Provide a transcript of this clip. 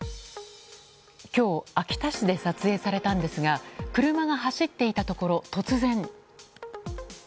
今日、秋田市で撮影されたんですが車が走っていたところ、突然。